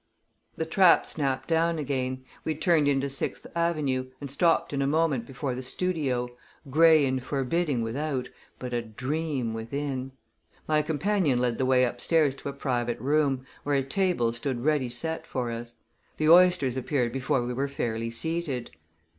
The trap snapped down again, we turned into Sixth Avenue, and stopped in a moment before the Studio gray and forbidding without, but a dream within. My companion led the way upstairs to a private room, where a table stood ready set for us. The oysters appeared before we were fairly seated.